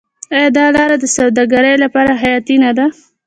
آیا دا لاره د سوداګرۍ لپاره حیاتي نه ده؟